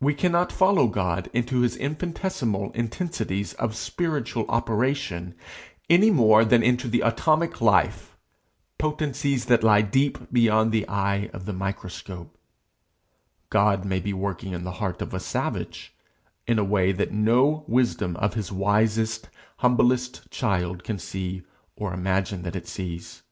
We cannot follow God into his infinitesimal intensities of spiritual operation, any more than into the atomic life potencies that lie deep beyond the eye of the microscope: God may be working in the heart of a savage, in a way that no wisdom of his wisest, humblest child can see, or imagine that it sees.